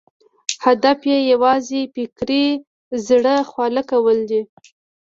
هدف یې یوازې فکري زړه خواله کول دي.